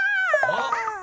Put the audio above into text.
あっ！